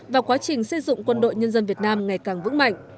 và quá trình xây dựng quân đội nhân dân việt nam ngày càng vững mạnh